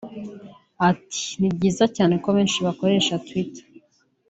Ati “Ni byiza cyane ko benshi bakoresha Twiter